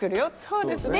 そうですね。